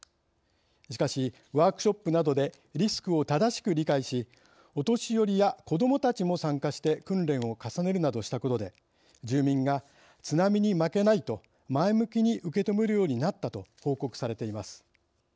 しかしワークショップなどでリスクを正しく理解しお年寄りや子どもたちも参加して訓練を重ねるなどしたことで住民が津波に負けないと前向きに受け止めるようになったと報告されています。